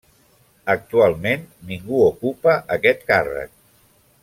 Actualment ningú ocupa aquest càrrec.